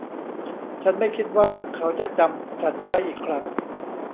ฉันไม่คิดว่าเขาจะจำฉันได้อีกครั้ง